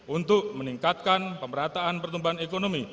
untuk meningkatkan pemerataan pertumbuhan ekonomi